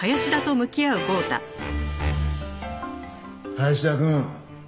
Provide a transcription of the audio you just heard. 林田くん。